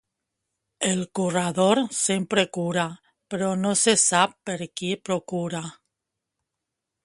El curador sempre cura, però no se sap per qui procura.